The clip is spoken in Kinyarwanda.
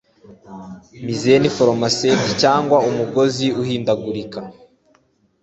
mizzen foremast cyangwa umugozi uhindagurika